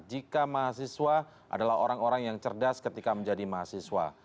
jika mahasiswa adalah orang orang yang cerdas ketika menjadi mahasiswa